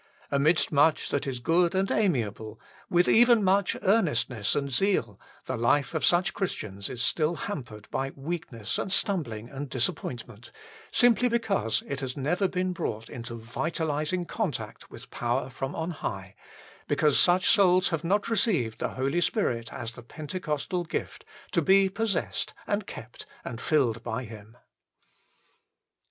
Amidst much that is good and amiable, with even much earnestness and zeal, the life of such Christians is still hampered by weakness and stumbling and disappointment, simply because it has never been brought into vitalising contact with power from on high, because such souls have not received the Holy Spirit as the Pentecostal gift, to be possessed, and kept, and filled by Him.